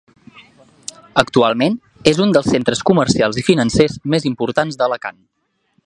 Actualment és un dels centres comercials i financers més importants d'Alacant.